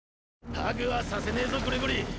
ハグはさせねぇぞグレゴリー！